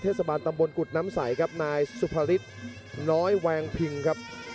เทศบาลตำบลกุฎน้ำใสครับนายสุภฤษน้อยแวงพิงครับ